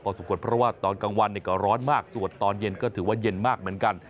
สมควรเพราะว่าตอนกลางวันก็ร้อนมากสวดตอนเย็นก็ถือว่าเย็นมากเหมือนกัน